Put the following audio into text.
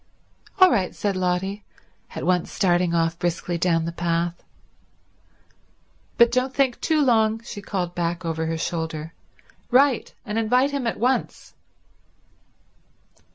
"All right," said Lotty, at once starting off briskly down the path. "But don't think too long," she called back over her shoulder. "Write and invite him at once."